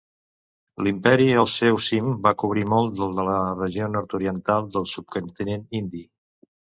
L'imperi al seu cim va cobrir molt del de la regió nord-oriental del subcontinent indi.